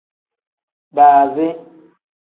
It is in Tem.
Baazi.